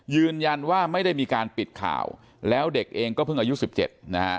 ยืนยันว่าไม่ได้มีการปิดข่าวแล้วเด็กเองก็เพิ่งอายุ๑๗นะฮะ